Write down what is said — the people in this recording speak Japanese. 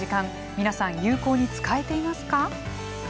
皆さん有効に使えていますか？